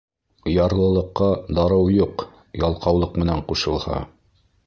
Ярлылыҡҡа дарыу юҡ, ялҡаулыҡ менән ҡушылһа.